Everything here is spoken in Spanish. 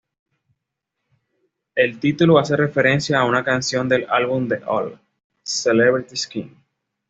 El título hace referencia a una canción del álbum de Hole, "Celebrity Skin".